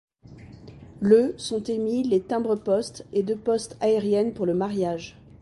Le sont émis les timbres-poste et de poste aérienne pour le mariage.